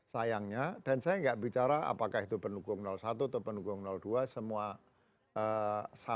sayangnya dan saya nggak bicara apakah itu pendukung satu atau pendukung dua semua satu